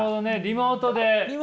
リモート。